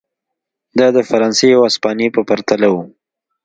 دا د فرانسې او هسپانیې په پرتله و.